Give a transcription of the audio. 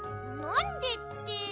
なんでって。